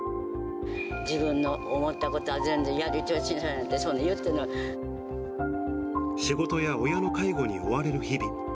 自分の思ったことは全部やり通しなさいって、仕事や親の介護に追われる日々。